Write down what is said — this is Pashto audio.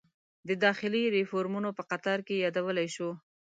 د داخلي ریفورومونو په قطار کې یادولی شو.